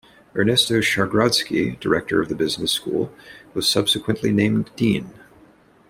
Ernesto Schargrodsky, director of the business school, was subsequently named dean.